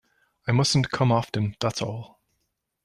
I mustn’t come often, that’s all.